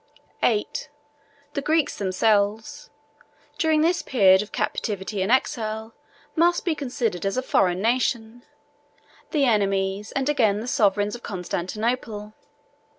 VII. The Greeks themselves, during this period of captivity and exile, must be considered as a foreign nation; the enemies, and again the sovereigns of Constantinople.